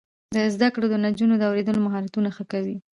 زده کړه د نجونو د اوریدلو مهارتونه ښه کوي.